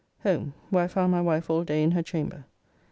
Home, where I found my wife all day in her chamber.